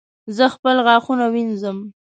زه خپل غاښونه وینځم